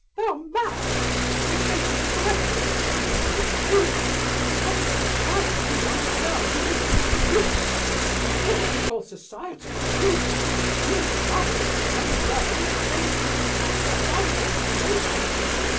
They are mad! They say society is savage and inhuman because it despises a young girl who has been seduced. But if you call society inhuman you imply that the young girl is made to suffer by its censure.